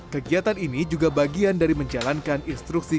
kegiatan ini juga bagian dari menjalankan instruksi